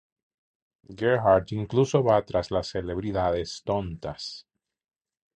Gerhardt incluso va tras las celebridades 'tontas'.